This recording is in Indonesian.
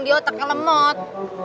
di otaknya lemot